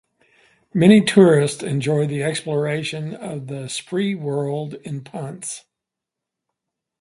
Many tourists enjoy the exploration of the Spreewald in punts.